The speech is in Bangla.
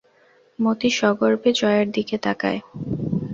মতি সগর্বে জয়ার দিকে তাকায়।